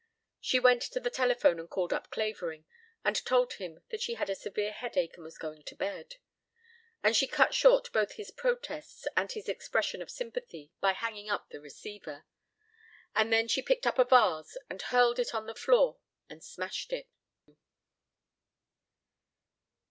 She went to the telephone and called up Clavering and told him that she had a severe headache and was going to bed. And she cut short both his protests and his expression of sympathy by hanging up the receiver. And then she picked up a vase and hurled it to the floor and smashed it.